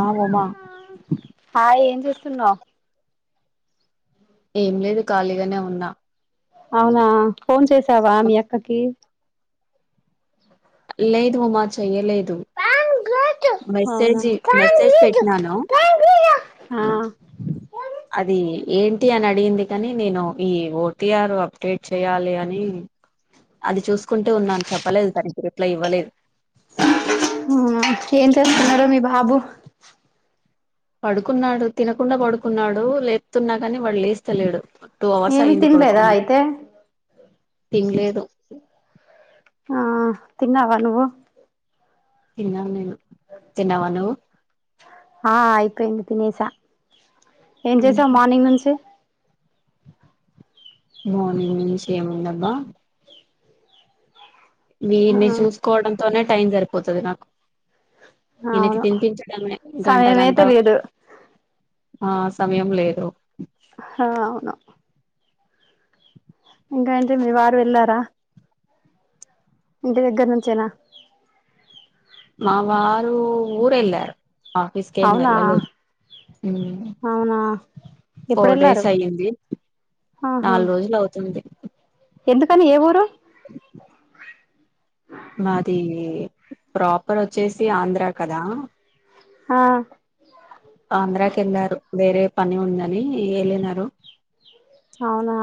ఆ ఉమా హాయ్ ఏం చేస్తున్నావు ఏం లేదు ఖాళీగానే ఉన్నా అవునా ఫోన్ చేసావా మీ అక్కకి లేదు ఉమా చేయ్యలేదు అవునా మెసేజి మెసేజ్ పెట్టినాను ఆ అది ఏంటి అని అడిగింది కానీ నేను ఈ ఓటిఆర్ అప్డేట్ చెయాలి అని అది చూసుకుంటే ఉన్నాను చెప్పలేదు తనకి రిప్లై ఇవ్వలేదు ఉమ్ ఏం చేస్తున్నారు మీ బాబు పడుకున్నాడు తినకుండా పడుకున్నాడు లేప్తున్నా కానీ వాడు లేస్తలేడు టూ అవర్స్ ఏమి అయింది తినలేదా పడుకొని అయితే తినలేదు ఆ తిన్నావా నువ్వు తిన్నా నేను తిన్నావ నువ్వు ఆ అయిపోయింది తినేసా ఏం చేసావు మ్మ్. మార్నింగ్ నుంచి మార్నింగ్ నుంచి ఏముంది అబ్బ వీన్నీ ఆ చూసుకోవడం తోనే టైం సరిపోతుది నాకు ఈయనకి అవును తినిపించడమే గంట సమయమే గంట తెలియదు ఆ సమయం లేదు హా అవును ఇంకా అంటి మీ వారు వెళ్ళారా ఇంటి దగ్గర నుంచేనా మా వారు ఊరెళ్ళారు ఆఫీస్కి ఏమి అవునా వెళ్ళలేదు ఉమ్ అవునా ఎప్పుడు ఫోర్ వెళ్ళారు డేస్ అయ్యింది ఆహా నాలుగు రోజులు అవుతుంది ఎందుకని ఏ ఊరు మాది ప్రాపర్ వచ్చేసి ఆంధ్రా కదా ఆ ఆంధ్రాకి వెళ్ళారు వేరే పని ఉందని వెళ్ళినారు అవునా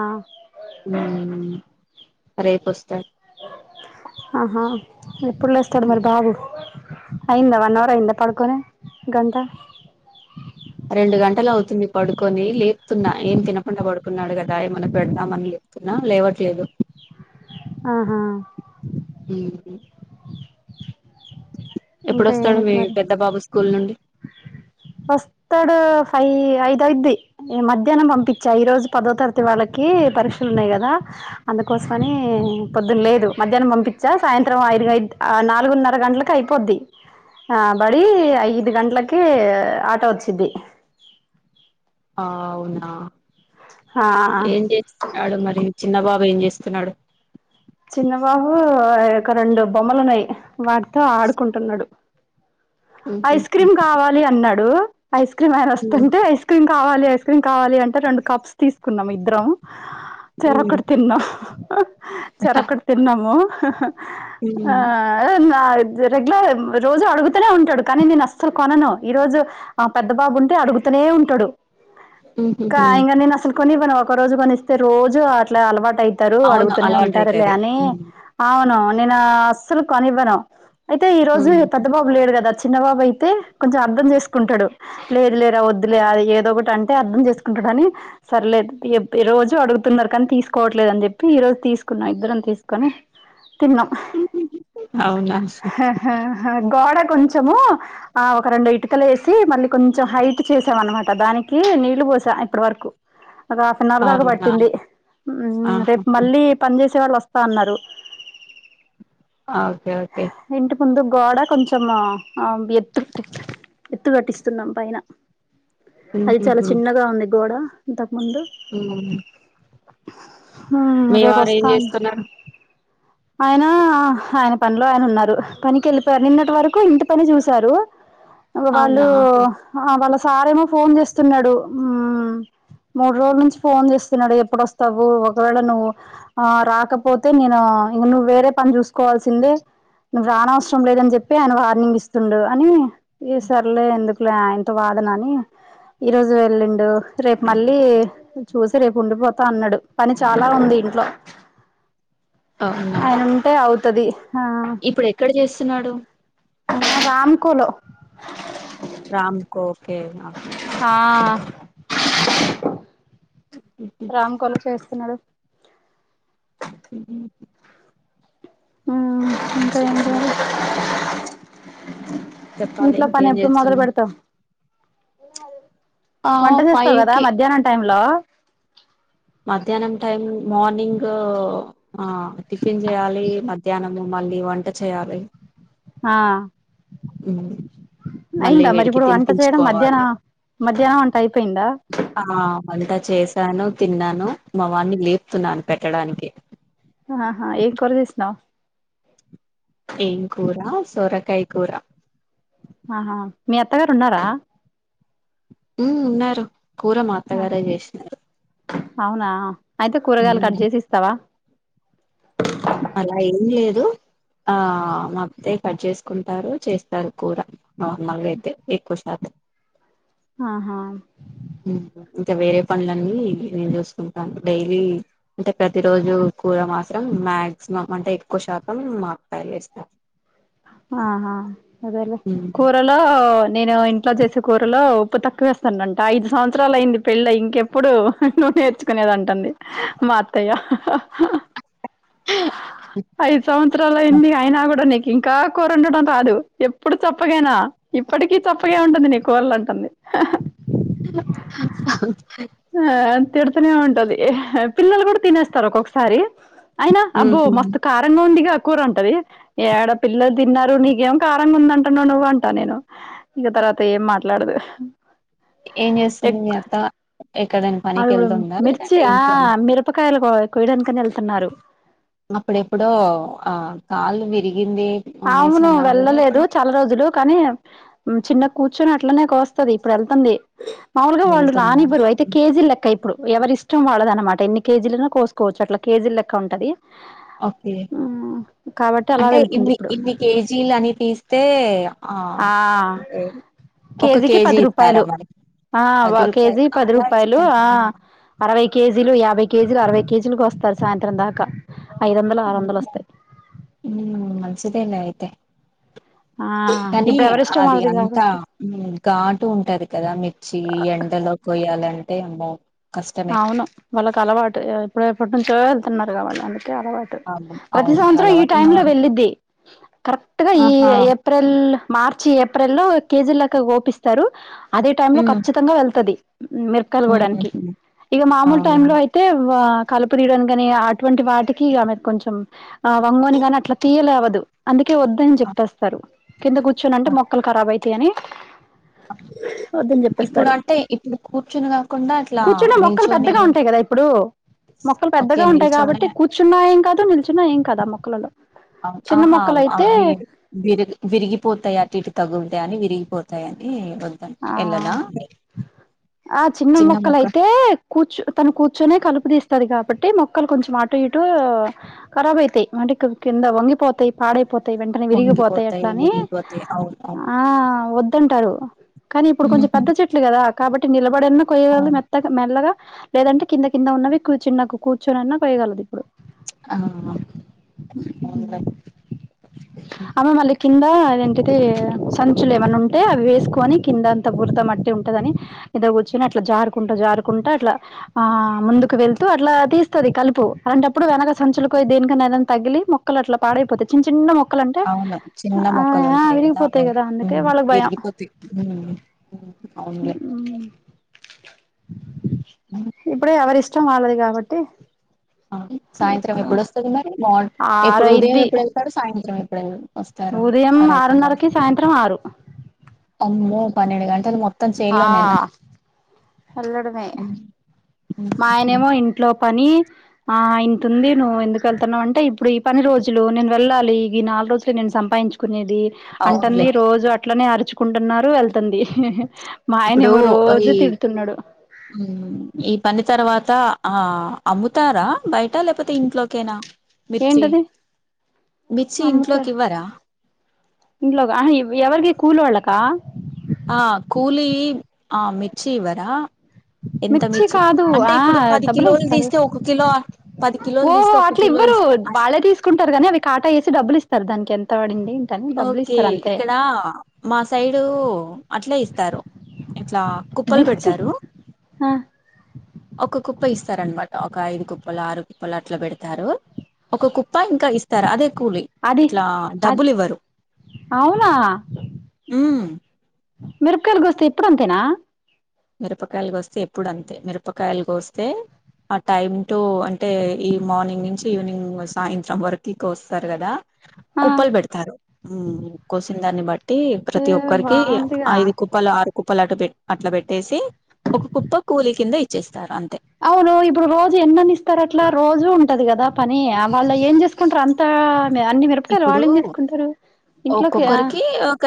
రేపు వస్తారు ఆహా ఎప్పుడు లేస్తాడు మరి బాబు అయింద వన్ అవర్ అయింద పడుకొని గంట రెండు గంటలు అవుతుంది పడుకొని లేపుతున్నా ఏం తినకుండా పడుకున్నాడు కదా ఏమన్నా పెడదామని లేపుతున్నా లేవట్లేదు ఆహా హుమ్ ఇంకా ఏమిటి మీ మరి పెద్ద బాబు స్కూల్ నుండి వస్తడు ఐ ఐదు అయిద్ది మధ్యాహ్నం పంపిచా ఈరోజు పదో తరగతి వాళ్ళకి పరీక్షలు ఉన్నాయి కదా అందుకోసమని పొద్దున లేదు మధ్యాహ్నం పంపిచా సాయంత్రం ఐదు నాలుగున్నర గంటలకి అయిపోద్ది ఆ బడి ఐదు గంట్లకి ఆటో వచ్చిద్ది ఆ అవునా ఆ ఏం చేస్తున్నాడు మరి చిన్నబాబు ఏం చేస్ స్తున్నాడు చిన్నబాబు ఒక రెండు బొమ్మలు ఉన్నాయ్ వాటితో ఆడుకుంటున్నాడు ఐస్ క్రీమ్ కావాలి అన్నాడు ఐస్ క్రీమ్ ఆయన వస్తుంటే ఐస్ క్రీమ్ కావా ఐస్ క్రీమ్ కావాలి అంటే రెండు కప్స్ తీసుకున్నాం ఇద్దరం చెరొకటి తిన్నాం చెరొక్కటి తిన్నాము ఆహ ఆ నా రెగ్యులర్ రోజు అడుగుతనే ఉంటాడు కానీ నేను అసలు కొనను ఈ రోజు ఆ పెద్ద బాబు ఉంటే అడుగుతూనే ఉంటడు కాయంగా నేను అసలు కొనివను ఒక రోజు కొనిస్తే రోజు అట్లే అలవాటు అయ్ తారు అవును అడుగుతూనే ఉన్ అలవాటు లే అయితది అని పోను నేను అస్సలు కొనివ్వను అయితే ఈ రోజు పెద్దబాబు లేడు కదా చి చిన్న బాబు అయితే కొంచెం అర్థం చేసుకుంటాడు లేదు లేరా వద్దులే ఏదో ఒకటి అంటే అర్థం చేసుకుంటాడు అని సర్లే ఇ రోజు అడుగుతున్నారు కానీ తీసుకోవట్లేదు అని చెప్పి ఈ రోజు తీసుకు కున్న ఇద్దరం తీసుకొని తిన్నాం అవునా గోడ కొంచెము ఆ ఒక రెండు ఇటుకలు వేసి మళ్ళీ కొంచెం హైట్ చేసాం అనమాట దానికి నీళ్లు పోసా ఇప్పటి వరకు ఒక హాఫ్ అన్ అవర్ దాకా అవునా పట్టింది ఆహా రేపు మళ్ళీ చేసే వాళ్ళు వస్తా అన్నారు ఓకే ఓకే ఇంటి ముందు గోడ కొంచం ఆ ఎత్తు ఎత్తు కట్టిస్తున్నాం పైన అది చాలా చిన్నగా ఉంది గోడ ద ఆ రేపస్తా ఏం చేస్తున్నారు ఆయన ఆయన పనిలో ఆయన ఉన్నారు పనికి వెళ్ళిపోయారు నిన్నటి వరకు ఇంటి పని చూశారు అవునా వాళ్ళు ఆహా వాళ్ళ సారేమో ఫోన్ చేస్తున్నడు మూడు రోజుల నుంచి ఫోన్ చేస్తున్నాడు ఎప్పుడోస్తవు ఒకవేళ నువ్వు ఆ రాకపోతే నేను ఇంక నువ్వు వేరే పని చూసుకోవాల్సిందే నువ్వు రానవసరం లేదని చెప్పి ఆయన వార్నింగ్ ఇస్తుండు అని ఇగా సర్లే ఎందుకు ఆయన తో వాదన అని ఈ రోజు వెళ్ళిండు రేపు మళ్ళీ చూసి రేపు ఉండిపోతా అన్నాడు పని చాలా ఉంది ఇంట్లో అవునా ఆయనంటే అవుతు తది ఇప్పుడు ఎక్కడ చేస్తున్నాడు రాంకోలో రాంకో ఓకే ఆ రామ్ కో లో చేస్త స్తున్నారు ఉ ఉ ఇంకా ఏంటండీ చెప్పాలి ఇంట్లో పని ఇంకేం ఎప్పుడు మొదలు చేస్తున్నాం పెడతాం ఎ ఆ వంట చేస్తావు ఫైవ్ కదా కి మధ్యాహ్నం టైం లో లో మధ్యాహ్నం టైమ్ మార్నింగ్ ఆ టిఫిన్ చేయ్యాలి మ ధ్యానము మళ్ళీ వంట చేయాలి ఆ ఉ మళ్ళీ అయిందా మరి వీడికి ఇప్పుడు వంట చేయడం తినిపించుకోవాలి మధ్యాహ్నం మధ్యాహ్నం వంట అయిపోయిందా ఆ అంతా చేశాను తిన్నాను మా వాన్ని లేపి న్నాను పెట్టడానికి ఆ హా ఏం కూర చేసినవు ఏం కూర సోరకాయ కూర ఆ హా మీ అత్తగారు ఉన్నారా ఉ ఉన్నారు కూర మాత్తగారే చేసినారు అవునా అయితే కూరగాయలు కట్ ఉమ్ చేసి ఇస్తావా అలా ఏం లేదు ఆ మా అత్తే కట్ చేసుకుంటారు చేస్తారు కూర నార్మలుగా అయితే ఎక్కువ శాతం ఆహా ఇంకా వేరే పనులన్నీ నేను చూసుకుంటాను డైలీ అంటే ప్రతి రోజు కూర మాత్రం మాక్సిమం అంటే ఎక్కువ శాతం మా అత్తయ్య చేస్తారు ఆహా అదేలే కూరలో నేను ఇంట్లో చేసే కూరలో ఉప్పు తక్కువేస్తాన అంట ఐదు సంవత్సరాలు అయింది పెళ్ళి అయి ఇంకెప్పుడు నూ నేర్చుకునేదింటుంది మా అత్తయ్య ఐదు సంవత్సరలుయింది అయినా కూడా నె ఇంకా కూరండడం రాదు ఎప్పుడు చప్పగేనా ఇప్పటికీ చప్పగే ఉంటుంది నీ కూరలు అంటుంది ఆ తిడుతూనే ఉంటది పిల్లలు కూడా తినేస్తారు ఒక ఒకొక్కసారి అయినా అబ్బో ఉహు మస్తు కారంగా ఉందిగా కూర్ ఉంటది ఎడ పిల్లలు తిన్నారు నీకేం కారంగా ఉందంటున్నా నువవు అంటా నేను ఇక తర్వాత ఏం మాట్లాడదు ఏన్ చేస్తుంది మీ అత్త ఎక్కడైనా పనికి అదిడు వెళ్తుందా మిర్చి లేదంటే ఆ ఇంట్లోనే మిరపకాయలా కోయడానికని వెళ్తున్నారు అప్పుడెప్పుడో ఆ కాళ్ళు విరిగి అవును వెళ్ళలేదు చాలా రోజులు కానీ చిన్న కూర్చొని అట్లనే కోస్తుంది ఇప్పుడు వెళ్తుంది మాములుగా వాళ్ళు వెళ్తుందా రానివ్వరు అయితే కేజీల లెక్క ఇప్పుడు ఎవరి ఇష్టం వాళ్లది అన్నమాట ఎన్ని కేజీలు నా కోసుకోవచ్చ అట్లా కేజీ లెక్క ఉంటది ఓకే ఉమ్ కాబట్టి అలా అంటే వెళ్తుంది ఇన్ని ఇన్ని కేజీలు అని తీస్తే ఏ ఆ ఒక కేజీకి కేజీ పది ఇస్తారా రూపాయలు మరి ఆ పది ఒక రూపాయలు కేజీ పది అలా రూపాయలు ఆ ఇస్తారా అరవై కేజీలు యాభై కేజీలు అరవై కేజీలు కోస్తారు సాయంత్రం దాకా ఐదు వందలు ఆరు వందలు వస్తాయి ఉమ్ మంచిదేలే అయితే ఆ కానీ ఇప్పుడు ఎవరిష్టం అది వాళ్ళది అంతా కాబట్టి ఘాటు ఉంటది కదా మిర్చి ఎండలో కోయ్యాలంటే అదే అబా అవును వాళ్ళకి అలవాటు ఎప్పుడు ఎప్పటి నుంచో వెళ్తున్నారు తవాల అందరి అలవాటు అవును. ప్రతి అవునులే సంవత్సరం ఈ అలవాటు ఉన్న టైమ్ లో వాళ్ళకి వెళ్ళిద్ది కరెక్ట్ గా ఈ ఆహా! ఏప్రిల్ మార్చి ఏప్రిల్ లో కేజీ లెక్క కోపిస్తారు అదే టై లో హ్మ్. ఖచ్చితంగా వెళ్తది మిరకాయలు కోయడానికి హుహుహు. ఇక మామూలు టైమ్ అవునా! లో అయితే వా కలుపు తీయడానికి కాని అటువంటి వాటికి ఆమె కొంచెం ఆ వంగోని కాని అట్లా తీయా లేవదు అందు కే వద్దని చెప్తేస్తారు కింద కూర్చోనంటే మొక్కలు ఖరాబ్ అయి తీ యని ఇప్పుడు అంటే ఇప్పుడు కూర్చుని కాకుండా కూర్చున్న మొక్కలు పెద్దగా ఉంటాయి కదా ఇప్పుడు మొక్కలు ఓకే. పెద్దగా ఉంటాయి నిల్చొనే కాబట్టి కూర్చున్న సాయం కాదు నిల్ ఆహా ఆ మొక్కలయితే వి విరిగి విరిగిపోతాయి అటు ఇటు తగులు అని విరిగిపోతాయని వద్దని ఆ ఎళ్ళదా? ఆ చిన్న మొక్కలైతే కూర్చో తను కూర్చొనే కలుపు తీస్తది కాబట్టి మొక్ క్కలు కొంచెం అటు ఇటు ఖరాబ్ అయితాయి అంటే కింద వంగిపోతాయి పాడాయి పోతాయి వెంటనే విరిగిపోతాయి పొంగిపోతాయి, అట్లా అని విరిగిపోతాయి. అవును. అవును. ఆ వద్దంటారు కానీ ఇప్పుడు కొంచెం హ్మ్. పెద్ద చెట్లు కదా కాబట్టి నిలా అప్పుడన్న కొయ్యలు అవును మెత్తగా మెల్లగా లేదంటే కింద కింద ఉన్నవి కూర్చున్న కూర్చొనున్నా కోయగలదు ఆ అవునులే అమె మళ్ళీ కింద అదేం టే సంచులు ఏమన్నా ఉంటే అవి వేసుకొని కిందంత బురద మట్టి ఉంటదని కింద కూర్చుని అట్లా జారుకుంట జారుకుంట అట్లా ఆ ముందుకు వెళ్తూ అట్లా తీస్తది కలుపు అలాంటప్పుడు వెనక సంచులు కో దేనికన్నా ఏదన్నా తగిలి మొక్కలు అట్లా పాడైపోతాయి చిన్న చిన్న మొక్ అవును చిన్న మొక్కలు ఉంటాయి కదా ఆ విరిగిపోతాయి అవును విరిగిపోతే హు హ్మ్మ్ హ్మ్ ఇప్పుడే ఎవరిష్టం వాళ్ళది కాబట్టి అవును సాయంత్రం ఇప్పుడు ఎప్పుడు వస్తది మరి మాన్ ఇప్పుడు ఉదయం ఆరైద్ది ఎప్పుడు వెళ్తాడు. సాయి సాయింత్రం ఎప్పుడ వెళ్ళేది ఉదయం ఆరున్నరకి సాయంత్రం ఆరు ఆమ్మో పన్నెండు గంటలు మొత్ మొత్తం చేన్ లో నేనా వెల్లడమే మా హ్మ్ ఆయనేమో ఇంట్లో ప పని ఆ ఇంత ఉంది నువ్వు ఎందుకు వెళ్తున్నావు అంటే ఇప్పుడు ఈ పని రోజులు నేను వెళ్ళాలి, ఈ నాలుగు రోజులు నేను సంపాదించుకునేది. అంటంది అవునులే రోజు అట్ అట్లనే అరుచుకుంటున్నారు వెళ్తుంది మా అయనేమో రోజు తిడుత్ ఉమ్ ఈ పని తర్వాత త ఆ అమ్ముతారా బయట లేకపోతే ఇంట్లోకేనా మిర్చి ఏంటది మిర్చి ఇంట్లోకి ఇవ్వరా ఇంట్లోకా ఆహా ఎవరికి కూలీ ఓళ్ళకా అ కూలీ మిర్చి ఇవ్వరా ఎంత మిర్చి కాదు అంటే ఆ ఇప్పుడు పది డబ్బులే కిలోలు ఇస్తారు తీస్తే ఒక కిలో పది కిలోలు ఓహో తీస్తే ఒక అట్లా కిలో ఇవ్వరు ఇస్తా అస్ వాళ్ళే తీసుకుంటారు కానీ అవి కాటా వేసి డబ్బులు ఇస్తారు దానికి ఎంత తబడింది ఓకే ఇక్కడ మా సైడు అట్లే ఇస్తారు ఇట్లా కుప్పలు మిర్చి పెడతారు ఆ ఒక కుప్ప ఇస్ ఇస్తారానమాట ఒక ఐదు కుప్పలు ఆరు కుప్పలు అట్లా పెడతారు ఒక కుప్ప ఇంకా ఇస్తారా అదే కూలి అది ఇట్లా అ డబ్బులు ఇవ్వరు అవునా ఉమ్ మిరపకాయలు కొస్తే ఇప్పుడు అంతేనా మిరపకాయలు కొస్తే ఎప్పుడు అంతే మిరపకాయలు కొస్తే ఆ టైం టు అంటే ఈ మార్నింగ్ నుంచి ఈవినింగ్ సాయంత్రం వరకి కోస్తారు కదా ఆ కుప్పలు పెడతారు ఉమ్ కోసిన దాన్ని బట్టి ఏ ప్రతి ఒక్కరికి బాగుందిగా ఐదు కుప్పలు ఆరు కుప్పలు అటు పెట్ అట్లా పెట్ ఒక కుప్ప కూలి కింద ఇచ్చేస్తారు అంతె అవును ఇప్పుడు రోజు ఎన్నని ఇస్తారు అట్లా రోజూ ఉంటది కదా పని వాళ్ళు ఏం చేసుకుంటారు అంత అన్ని మిరపకాయలు ఇప్పుడు ఇంట్లోకి ఆ ఒక్కొక్కరికి ఒక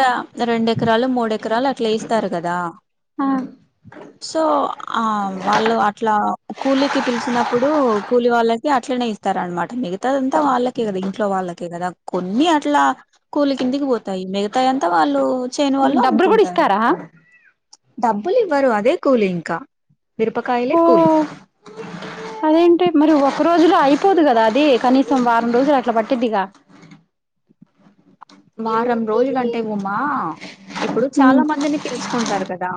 రెండు ఎకరాలు మూడు ఎకరాలు అట్లా ఏస్తారు కదా ఆ సో ఆ వాళ్ళు అట్లా కూలీకి పిలిచినప్పుడు కూలి వాళ్ళకి అట్లనె ఇస్తారన్నమాట మిగతా అంతా వాళ్ళకె కదా ఇంట్లో వాళ్ళకి కదా కొన్ని అట్లా కూలి కిందికి పోతాయి మిగతాయ అంతా వాళ్ళు చేను వాళ్ళు డబ్బులు కూడా అమ్ముకుంటారు ఇస్తారా డబ్బులు ఇవ్వరు అదే కూలి ఇంకా మిరపకాయలే ఓ కూలి అదేంటి మరి ఒక రోజులో అయిపోదు కదా అది కనీసం వారం రోజులు అట్లా పట్టిద్దిగా వారం రోజులంటె ఉమా ఇప్పుడు ఉమ్ చాలా మందిని పిలుచుకుంటారు కదా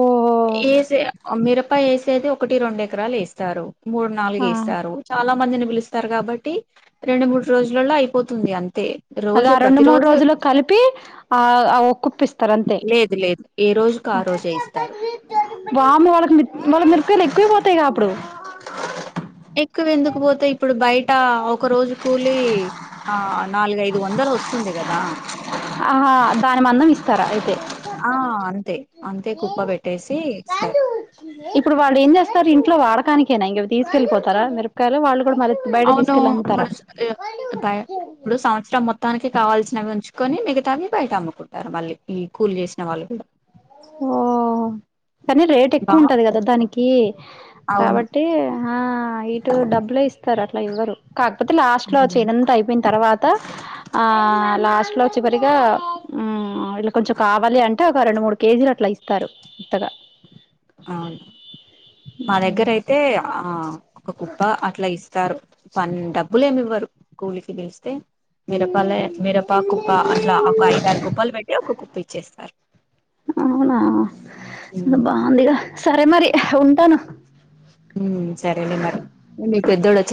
ఓహో ఏస మిర మిరప ఏసేది ఒకటి రెండు ఎకరాలు ఏస్తారు మూడు నాలుగు ఆ ఏస్తారు చాలా మందిని పిలుస్తారు కాబట్టి రెండు మూడు రోజులలో అయిపోతుంది అం అంతె అది రోజు ఆ రెండు మూడు రోజులు కలిపి ఆ ఓ కుప్పిస్తారు అంతే లేదు లేదు ఏ రోజుకు ఆ రోజే ఇస్తారు వాము వాళ్ళకి మళ్ళ మిరపకాయలు ఎక్కువ పోతాయి కా అప్పుడు ఎక్కువ ఎందుకుపోతాయి ఇప్పుడు బయట ఒక రోజు కూలి ఆ నాలుగైదు వందలు వస్తుంది కదా ఆహా దాని మందం ఇస్తారా అయితే ఆ అంతే అంతే కుప్ప పెట్టేసి ఇస్తారు కానికేనా ఇంగ తీకెళిపోతార మిరపకాయలు వాళ్ళు కూడా మళ్ళీ బయట అవును తీసుకెళ్ళి ముడు అమ్ముతారా సం బా పాయ ఇబుడు సం మొత్తానికి కావాల్సినవి ఉంచుకొని మిగతావి బయట అమ్ముకుంటారు మళ్ళీ ఈ కూలి చేసిన వాళ్ళు కూడ ఓ కానీ రేట్ బా ఎక్కువ ఉంటది కదా దానికి అవును కాబట్టి ఆ ఇటు డబ్బులే ఇస్తారు అట్ల ఇవ్వరు కాకపోతే లాస్ట్ లో హ్మ్. చేనంత అయిపోయిన తర్వాత ఆ లాస్ట్ లో చివరిగా ఉం ఇలా కొంచెం కావాలి అంటె ఒక రెండు మూడు కేజీలు అట్లా ఇస్తారు ఇక్కడ అవును మా దగ్గర అయితె ఆ ఒక కుప్ప అట్ల ఇస్తారు పని డబ్బులు ఏమి ఇవ్వరు కూలికి ఇదిస్తే మిరపలే మిరప కుప్ప అట్లా ఒక ఐదారు కుప్పలు పెట్టి ఒక కుప్ప ఇచ్చేస్తారు అవునా ఉమ్ బాగుందిగా సరే మరి ఉంటాను హ సరే అలే మరి పెద్దోళుచ్చ